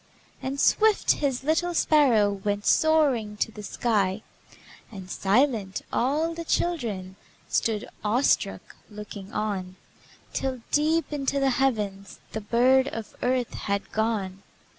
And swift, His little sparrow Went soaring to the sky, And silent, all the children Stood, awestruck, looking on, Till, deep into the heavens, The bird of earth had gone.